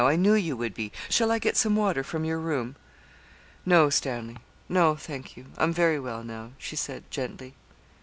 I knew you would be. Shall I get some water from your room?' 'No, Stanley; no, thank you. I'm very well now,' she said, gently.